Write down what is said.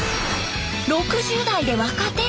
６０代で若手？